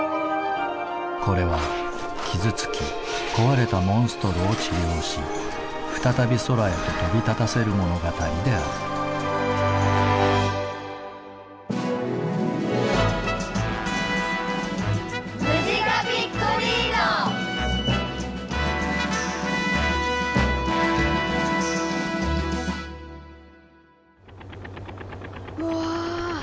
これは傷つき壊れたモンストロを治療し再び空へと飛び立たせる物語であるわぁ！